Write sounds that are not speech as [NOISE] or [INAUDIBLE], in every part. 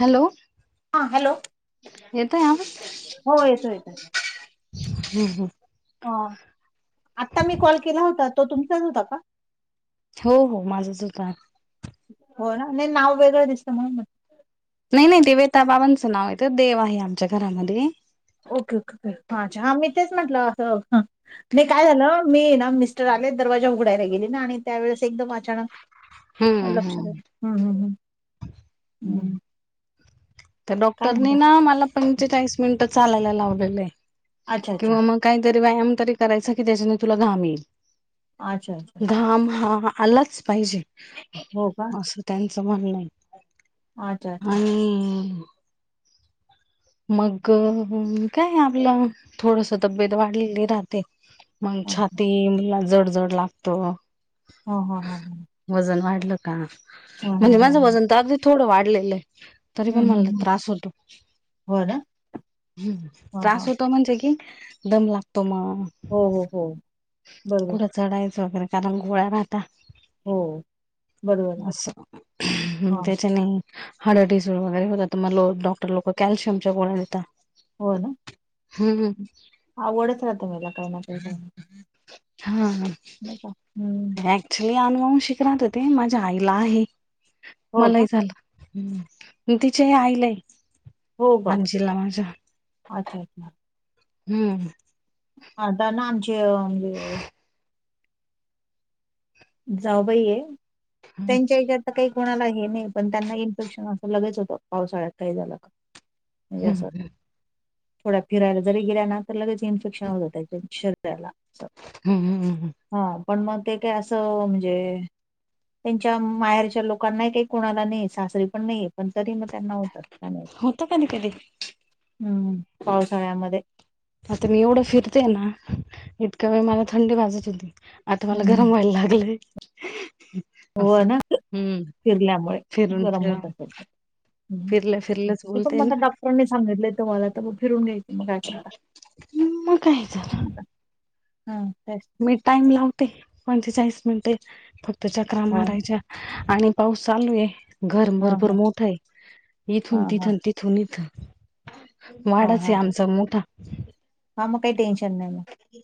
Hello. हां hello,, येतोय आवाज हो येतो येतो. हम् हम्,, अ, आत्ता मी कॉल केला होता, तो तुमचाच होता का? हो हो, माझंच होता. हो ना, नाही नाव वेगळं दिसतं म्हणून म्हटला. नाही नाही, ते वेताबाबांचं नाव आहे, देव आहे आमच्या घरामध्ये ओके ओके, अच्छा अच्छा मी तेच म्हटलं असं नाही काय झालं,, मी ना मिस्टर आले दरवाजा उघडायला गेले ना, आणि त्यावेेळेस एकदम अचानक लक्ष, हम्म हम्म हम्म हम्म. त्या काय डॉक्टरनी म्हणता ना, मला पंचेचाळीस मिनिटं चालायला लावलेलेय, अच्छा अच्छा किंवा मग काहीतरी व्यायाम तरी करायचा की, त्याच्याने तुला घाम येईल. अच्छा अच्छा अच्छा घाम हा आलाच पाहिजे,, हो का अस त्यांचं म्हणणय. अच्छा अच्छा,, मग काय आपलं थोडस तब्येत वाढलेली राहते. मग ह छातीला जड जड लागतं. हो हा हा, वजन वाढलं का,, म्हणजे माझं हम्म वजन तर अगदी थोडं वाढलेलं आहे. तरी पण मला लई हम्म. त्रास होतो. हो ना. हम् ह त्रास ह होतो म्हणजे की, दम लागतो मग. हो हो हो,, बरोबर. कुठं चढायचं वगैरे कारण गोळा्या राहता. हो बरोबर अस, म हा त्याच्या नेऽ हाडा टिसुळ वगैरे होतात, म डॉक्टर लोक कॅल्शियमच्या गोळ्या देतात. हो ना. हं -हं आवडच राहते मेला काही ना काही. हा, हां, नाही का हम्म नाही अनुवानशिक राहते ते, माझ्या आईला आहे, हो का मलाही झाल. आणि तिच्याही आईलाहे. हो का,, अच्छा अच्छा. हम्म, आताना आमचे जाऊबाई हे हम्म त्यांच्या हच्या काही कोणाला हे नाही पण त्यांना इन्फेक्शनहोत लगेच होत, पावसाळ्यात काही झाल का. म्हणजे अस, थोडा फिरायला जरी गेल्या ना तर लगेच इन्फेक्शन होतात, त्या शरी राला अस. हम् हमम,, हा, पण मग ते काय असं, म्हणजे त्यांच्या माहेरच्या लोकांना नाही कोणाला नाही, सासरी पण नाही पण तरी त्यानां होत. होत कधी कधी हम्म, पावसाळ्यामध्ये. आता मी एवढ फिरते ना, इतक्या वेळ मला थंडी वाजत होती. आता मला हम्म गरम व्हायला लागलंय. हो अस, ना हम्म फिरल्यामुळे गरम फिरून-फिरून. होत असेल हं. फिरल्या फिर ते पण मता डॉक्टरने सांगितलंय मला, तर मग फिरून घ्यायचं मग, काय करानार? म काय झाल? तेऽ मी टाइम लावते, पंचेचाळीस मिनिटे, फक्त चक्रा हो ना मारायच्या. आणि पाऊस चालू आहे घरम हा भरपूर हा मोठा आहे हा इथून हा तिथून तिथ थून इथ. हा वाडाच हा आहे हा आमचा मोठा. हा मग काही टेनशन नाही म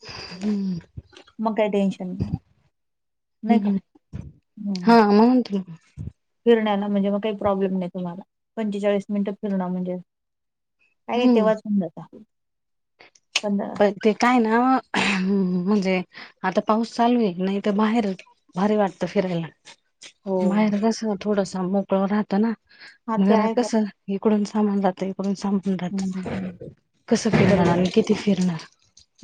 हम्म. मग कायही टेनशन नाही. नाही का हम् हा हम्म. आ म् फिरण्याला म्हणजे मग काही प्रॉब्लेम नाही तुम्हाला पंचेचाळीस मिनिट फिरण म्हणजे, काही नाही हम्म तेव्हाच होऊन जात पंधर पण ते काय ना म्हणजे आता पाऊस चालू आहे नाही तर बाहेरच भारी वाटत फिरायला. हो बाहेर कस थोडस मोकळ राहत ना हा ते घरात आहे का कस इकडून सामान राहत इकडून सामान राहत, हम्म, हम्म, हम्म. कसं फिरणार? बरोबर आणि किती फिरणार.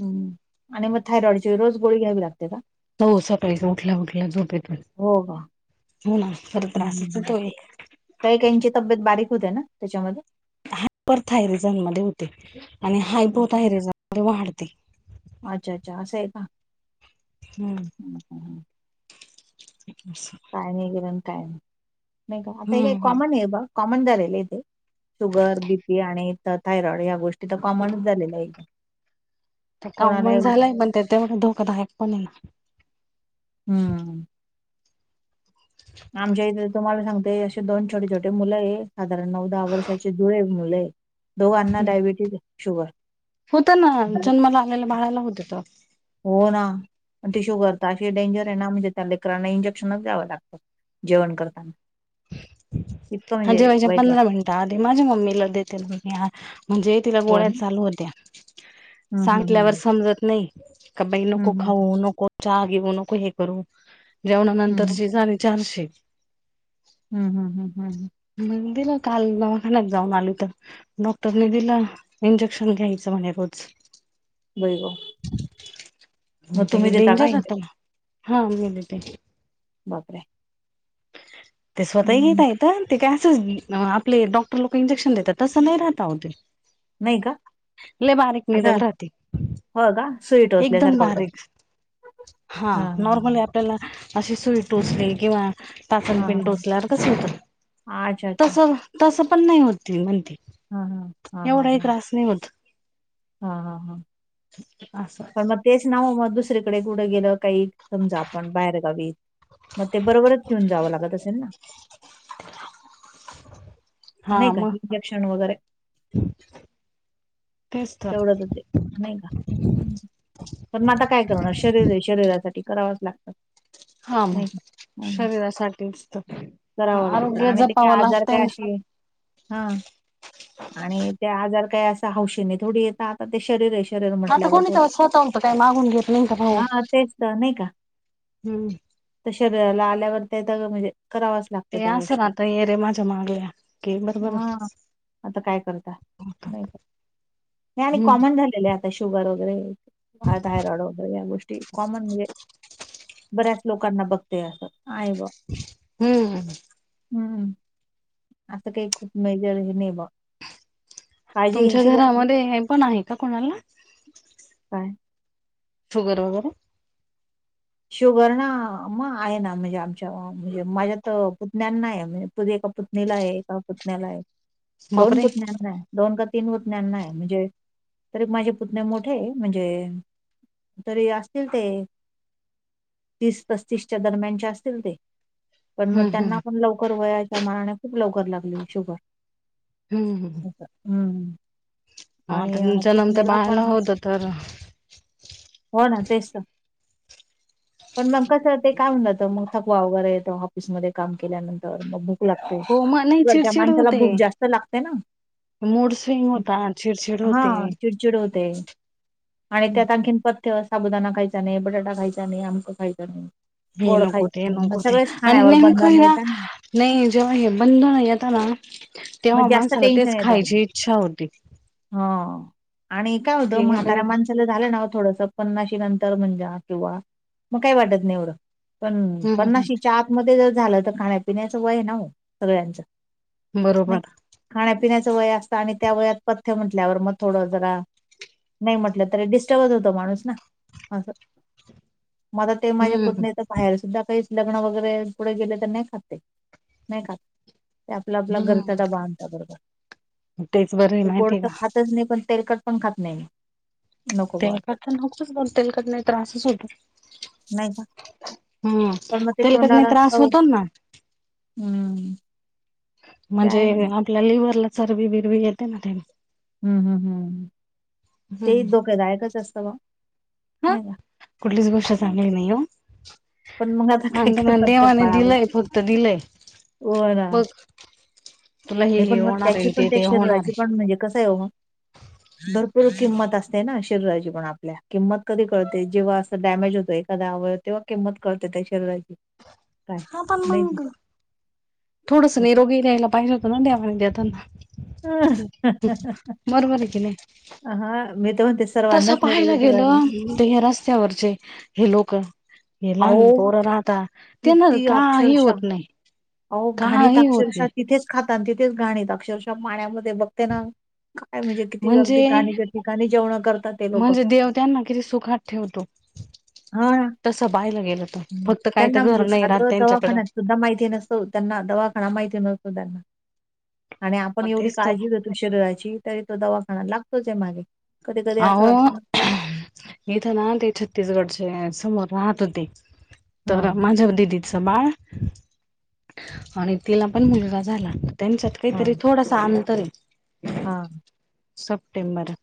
हम्म आणि मग थायरॉइडची रोज गोळी घ्यावी लागते का? हो सकाळी उठल्या उठल्या झोपेतून. हो का हो ना खर हम्म, हम्म, त्रासच हम्म. तो एक. काही काहीची तब्येत बारीक होते ना त्याच्यामध्ये परथायरिझन मध्ये होते आणि हायपोथायरिझन मध्ये वाढते. अच्छा- अच्छा असआहे का? हम्म हम्म, हम्म. ठी काय नाही घेऊून काय नाही नाही का आता हे हम्म काही हम्म कॉमन आहे बघ कॉमन जेल इ तेे शुगर बीपी आणि थायरॉइड ह्या गोष्टी तर कॉमनच झालेल्या आहेत काउमन झालंय पण त्यामुळे धोकादायक पण आहे ना हम्म आमच्या इथे तुम्हाला सांगतेय असे दोन छोटे छोटे मुलं आहे साधारण नवऊ दहा वर्षाचे धुळे मुलं आहे दो अन्ना डायबिटीज शुगर मला आला बाळाला होतेत हो नाण ती शुगर तर अशी डेंजर आहे ना म्हणजे त्या लेकरांना इंजेक्शनच घ्यावं लातर जेवण करताना इतकं हा म्हणजे जेवायच्या वाईट वाटतं पंधरा मिनिटं आध माझ्या मम्मीला देते म्हणजे तिला हो गोळ्यात ना चालू होत्या हम्म हम्म सांगल्यावर समजत नाही का बाई नको हम्म खाऊ नको चहा घेऊ नको हे करू हम्म हम्म हम्म जेवणानंतरची झाले चारशे हम् हम ह् ह् ह् म्हणंदे ना काल नवाखान्यात जाऊन आलो तर डॉक्टरने दिला इंजेक्शन घ्यायचं म्हणे रोज बाई गं मग ते तुम्ही देता का डेंजर इंजेक्शन आता हा गले ते बापरे ते स्वतः येत हं. येत ते काय अस आपले डॉक्टर लोक इंजेक्शन देतात तसं नाही राहता होते नाही का ल बारीक निडल असं राहती हो का? सुई एकदम टोचल्यासारखं होत बारीक असेल. हा हां, हां, नॉर्मली हां. आपल्याला अशी सुई टोचली किंवा तासण हां, पिन हां. टोसल्यावर कस होत अच्छा, अच्छा. तस तस पण नाही होती म्हणते हां, हां. एवढाही त्रास नाही होत हा हा हा असं प म तेच नाव मग दुसरीकडे कुठं गेलं काही समजा आपण बाहेरगावीत मग ते बरोबरच पिऊन जावं लागत असेल ना [INAUDIBLE] हा नाही का? मग इंजेक्शन वगैरे तेच तर तेवढं ते नाही का प म आता काय करणार शरीर शरीरासाठी करावच लागतं हम नाही का? हं. शरीरासाठीच तर करावं लागतं आरोग्य जपावं लागतय ना असे हा आणि त्या आजार काय असा हौशीने थोडी येेत आता ते शरीर शरीर आता म्हटल्यावर कोणी थोडं तेव्हा स्वतः होत काही मागून घेत नाही का भाऊून हां, तेच तर नाही का? हम्म तर शरीराला आल्यावर देता ग म्हणजे करावंच लागतं ते त्या अस ना गोष्टी. आता ये रे माझ्या मागल्या की बरोबर हा आता काय करता नाही हम्म नाही आणि कॉमन झाली आता शुगर वगैरे थायरॉइड वगैरे या गोष्टी कॉमन म्हणजे बऱ्याच लोकांना बघते असं आहे ब हम्म हम्म असं काही खूप मेजर हे नाही बघ तुमच्या घरामध्ये हे पण आहे का कोणाला काय? शुगर वगैरे? शुगर ना? म आहे ना. म्हणजे आमच्या म्हणजे माझ्या तर पुतण्यांना आहे. म्हणजे [UNINTELLIGIBLE] पुतणीला आहे. एका पुतण्याला आहे. दोन बापरे पुतण्याना आहे. दोन का तीन पुतण्यांना आहे. म्हणजे, तरी माझे पुतणे मोठे म्हणजे- तरी असतील ते- तीस पस्तीसच्या दरम्यानचे असतील ते. पण मग हम्म त्यांना हम्म पण लवकर वयाच्या मानाने- खूप लवकर लागली शुगर. हम् हम. हम्म. आणि जन्मत्या पुतण्याला बाळाला पण- होत तर हो ना. तेच तर. पण मग कसं, ते काय होऊन जात मग थकवा वगैरे येतो ऑफिसमध्ये काम केल्यानंतर मग- लागते. हो मग नाही बर त्या चिडचिड माणसाला होते भूक जास्त लागते ना? मूड स्विंग होता. चिडचिड होते. चडचिड होते. आणि त्यात आणखी पथ्य साबुदाणा खायचा नाही, ब - बटाटा खायचा नाही. आमक खायचा नाही. हे गोड नको खायच ते नाही. म नको ते सगळेच आणि खाण्यावर नेमकं आहे बंधन येत ना? नाही जेव्हा हे बंधन येता ना? तेव्हा मग जास्त माणसाला तेच खायची इच्छा होती. हां. आणि काय होतं? ते काय म्हाताऱ्या माणसांना- झालं ना थोडस पन्नाशी नंतर. म्हणजे किंवा मग काही वाटत नाहीं एवढं. पण हम्म पन्नाशीच्या आतमध्ये जर झालं तर, खाण्यापिण्याचं वय ये ना हो? सगळ्यांचं. नाही बरोबर. का? खाण्यापिण्याचं वय असतं. आणि त्या वयात पथ्य म्हटल्यावर मग थोडं जरा- नाही म्हटलं तरी डिस्टर्बच होत माणूस ना? असं, म ते आता माझ्या हम्म पुतण्या- बाहेर सुद्धा काही लग्न वगैरे कुठे गेले तर नाही खात ते. नाही खात. ते आपल्या आपल्या घरचा हम्म डबा आणता बरोबर. तेच बरं आहे ते गोड माहितीय तर का खात- - च नाही. पण तेलकट पण खात नाही. नको बा असं तेलकटन [UNINTELLIGIBLE] तेलकटन त्रासच होतो. नाही का हम्म. पण मग ते तेलकट न तोंडाला त्रास चव होतो ना. हम्म. ते म्हणजे आहे म्हणा. आपल्या लिव्हरला चरबी बिरवी येते ना त्यानी. हम्म हम् हम्. ते एक धोकेदायकच असत बुवा. म? कुठलीच गोष्ट ह चांगली नाही हो. पण मग आता काय आणि तुम्हाला करतात ते देवाने पाळावं. दिलंय. फक्त दिलंय. हो ना. बघ तुला हे नाही हे पण मग होणार त्याची आहे पण त्या शरीराची पण म्हणजे कसं आहे - ह भरपूर किंमत असते ना? शरीराची पण आपल्या किंमत कधी कळते जेव्हा असं डॅमेज होतं एखादा अवयव- तेव्हा किंमत कळते त्या शरीराची. काय हां पण नाही का? मग? थोडस निरोगी राहील पाहिजे होत त्यामध्ये देताना! [INAUDIBLE] बरोबर आहे का नाही? अ हां मीच तस पाहायला गेलं. त हे रस्त्यावरचे - हे लोक. हे लहान अहो पोरं राहता त्यांना किती काही अक्षरशः होत नाही. अहो घाणीत काही होत अक्षरशः नाही तिथेच खाता आणि तिथेच घाणीत अक्षरशः पाण्यामध्ये बघते ना - म्हणजे जेवणं करतात ते लोकं. -म्हणजे देव त्यांना किती सुखात ठेवतो. [INAUDIBLE] हा! तसं पाहायला गेल त्यांना म्हणजे साध दवाखान्यात सुद्धा माहिती नसते. त्यांना दवाखाना माहिती नसतो त्यांना आणि आपण मग एवढी तेच तर काळजी घेतो. शरीराची तरी तो दवाखाना लागतोच आहे मागे. कधी-कधी असं अहो! वाटतं इथं ना ते छत्तीसगडचे समोर राहत होते. तर हां, माझ्या दिदीच बाळ आणि तिला पण मुलगा झाला. त्यांच्यात काहीतरी थोडासा अंतर आहे. हा! सप्टेंबर.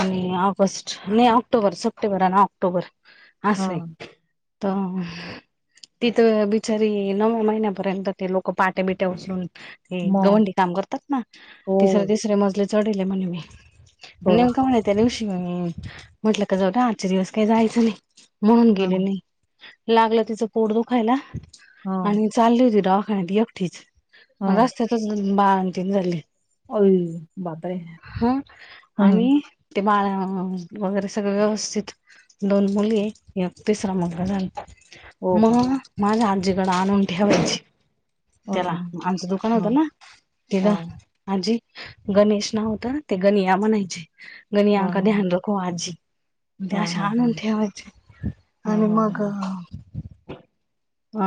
आणि ऑगस्ट नाही ऑक्टोबर, सप्टेंबर आणि ऑक्टोबर अस आहे. हां. तो तिथं बिचारी नव्या महिन्यापर्यंत ते लोक पाटे बिट्या उचलून ते मग गवंडी काम करतात ना! हो, तिसरे तिसरे मजले चढले म्हण मी, बघा. नेमकं म्हणाय त्या दिवशी मी म्हटलं का जाऊदे आजच्या दिवस काही जायचं नाही. म्हणून हां, गेले नाही. लागलं तिचं पोड दुखायला हां, आणि चालली होती दवाखान्यात एकटीच हां. रस्त्यातच बाळनतीन झाली. आई बाप रे! हा आणि ते बाळा वगैरे सगळ व्यवस्थित दोन मुलीये तिसरा मुलगा झाला. हो का? मग माझ्या आजी कड आणून ठेवायची. त्याला हां, आमचं दुकान हां, होतं ना तिथं, हां, आजी गणेश नाव होतं ना! ते गणिया म्हणायचे गणिया का हां. ध्यान रखो आजी. हा त्या अशा हा आणून ठेवायच्या हा आणि हा हा मग अ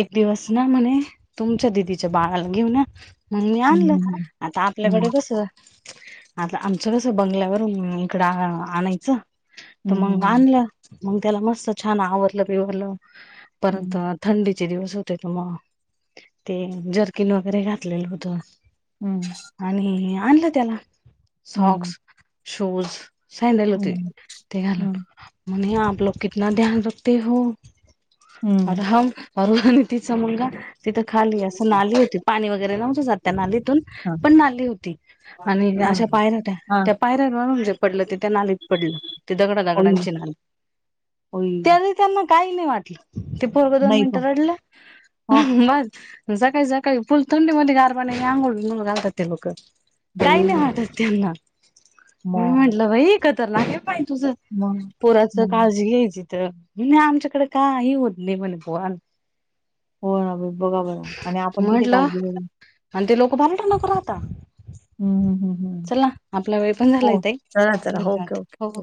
एक दिवस ना म्हणे तुमच्या दिदीच्या बाळाला घेऊन या, मग मी आणलं हम्म हम्म आता आपल्याकडे कस आता आम्ह चरस बंगल्यावरून इकड आणायचं तर हम्म मग हम्म आणलं मग त्याला मस्त छान आवरलं बिवरलं परंत हम्म थंडी चे दिवस होते त मग ते जर्किन वगैरे घातलेलं होत. हम्म! आणि आणलं त्याला हम्म साक्स, शूज, सँडल होते हम्म हम्म ते घालून. हम्म म्हणे! आपलं कितना ध्यान रखते हो, और हम्म हम. अरुंधती चा मुलगा. तिथं खाली असं नाली होती, पाणी वगैरे नव्हतं जात त्या नालीतून हा पण नाली होती. आणि हा! अशा पायऱ्या होत्या हा त्या पायऱ्यांवरून जे पडलं ते त्या नालीत पडलं ते दगडा होई दगडांची नालीत होई त्या त्यांना काही नाही वाटलं ते पोर दोन नाही का मिनिटं रडलं हा मग सकाळी- सकाळी फुल थंडी मध्ये गार पाण्यांनी आंघोळ घालतात ते लोक काही होई नाही वाटत! त्यांना मी मग म्हटलं बाई एकत्र लागले पाय तुझं. मग पोराच मग काळजी घ्यायची तर म्हणे आमच्याकडे काही होत नाही म्हणे पोर हो ना बघा बघा आणि आपण किती म्हटलं काळजी घेणार. आणि ते लोक भहे टा नक राहतात. हम् हम हम हम चला आपला वेळ पण झाला इेत चला ओके ओके धन्यवाद ओके हो.